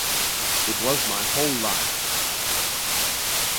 It was my whole life.